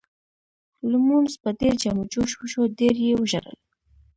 لمونځ په ډېر جم و جوش وشو ډېر یې وژړل.